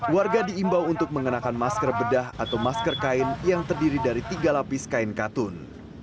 warga diimbau untuk mengenakan masker bedah atau masker kain yang terdiri dari tiga lapis kain katun